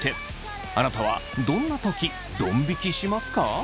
あなたはどんなときどん引きしますか？